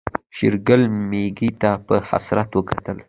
شېرګل ميږې ته په حسرت وکتل.